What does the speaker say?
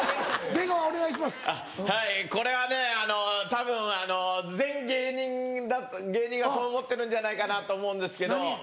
はいこれはねたぶん全芸人がそう思ってるんじゃないかなと思うんですけど。